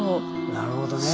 なるほどね。